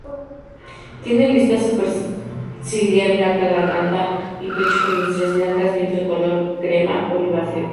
Tiene lista superciliar blanca, garganta y pecho con estrías blancas, vientre color crema oliváceo.